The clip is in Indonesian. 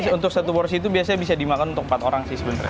untuk satu porsi itu biasanya bisa dimakan untuk empat orang sih sebenarnya